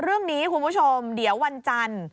เรื่องนี้คุณผู้ชมเดี๋ยววันจันทร์